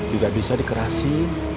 tidak bisa dikerasi